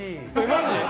マジ？